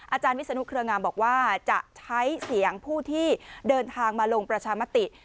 อาจารย์วิศนุเครืองามบอกว่าจะใช้เสียงผู้ที่เดินทางมาลงประชามติ